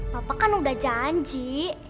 papa kan udah janji